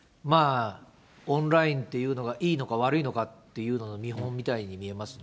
オンラインっていうのが、いいのか悪いのかっていうのの見本みたいに見えますね。